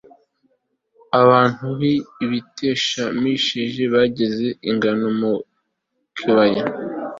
abantu b'i betishemeshi bagesaga ingano mu kibaya